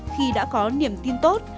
khi đã có niềm tin tốt